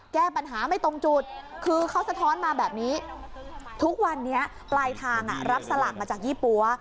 แก้ปัญหาไม่ตรงจุดคือเขาสะท้อนมาแบบนี้ทุกวันนี้ปลายทางรับสลากมาจากยี่ปั๊ว